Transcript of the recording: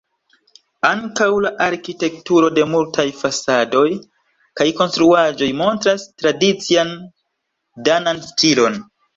Ankaŭ la arkitekturo de multaj fasadoj kaj konstruaĵoj montras tradician danan stilon.